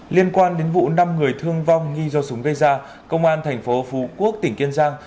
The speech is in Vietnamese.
liên quan đến vụ năm người thương vong nghi do súng gây ra công an thành phố phú quốc tỉnh kiên giang